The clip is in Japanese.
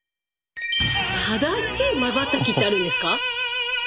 正しいまばたきってあるんですか？